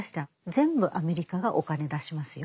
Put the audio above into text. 全部アメリカがお金出しますよ。